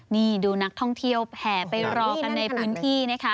นี่ดูนักท่องเที่ยวแห่ไปรอกันในพื้นที่นะคะ